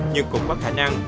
nhưng cũng có khả năng